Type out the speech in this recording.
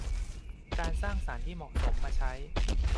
การสร้างสรรค์ที่เหมาะสมมาใช้